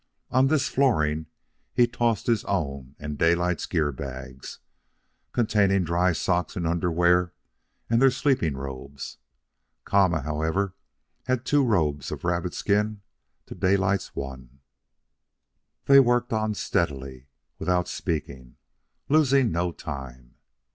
On this flooring he tossed his own and Daylight's gear bags, containing dry socks and underwear and their sleeping robes. Kama, however, had two robes of rabbit skin to Daylight's one. They worked on steadily, without speaking, losing no time.